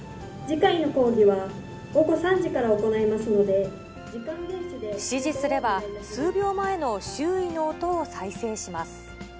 次回の講義は午後３時から行指示すれば、数秒前の周囲の音を再生します。